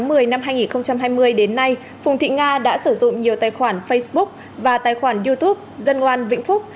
từ tháng một mươi năm hai nghìn hai mươi đến nay phùng thị nga đã sử dụng nhiều tài khoản facebook và tài khoản youtube dân ngoan vĩnh phúc